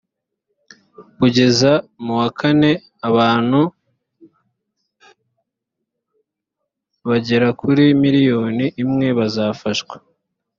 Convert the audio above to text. kugeza mu wa kane abantu bagera kuri miriyoni imwe bazafashwa